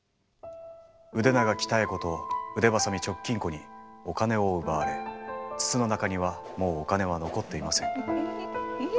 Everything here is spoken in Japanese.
腕長鍛子と腕鋏直近子にお金を奪われ筒の中にはもうお金は残っていません。